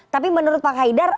tapi menurut pak khaydar